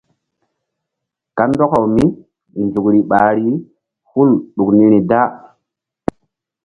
Kandɔkaw mí nzukri ɓahri hul ɗuk niri da.